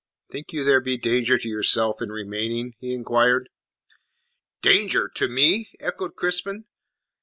"Think you there be danger to yourself in remaining?" he inquired. "Danger? To me?" echoed Crispin.